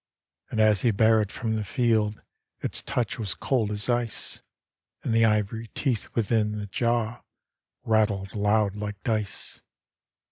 And as he bare it from the field Its touch was cold as ice, And the ivory teeth within Ae jaw Rattled aloud, like dice.